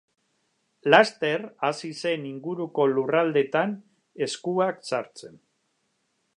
Laster hasi zen inguruko lurraldeetan eskuak sartzen.